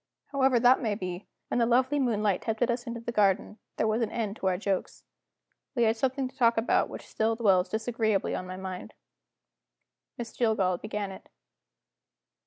However that may be, when the lovely moonlight tempted us into the garden, there was an end to our jokes. We had something to talk about which still dwells disagreeably on my mind. Miss Jillgall began it.